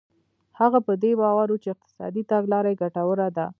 هغه په دې باور و چې اقتصادي تګلاره یې ګټوره ده.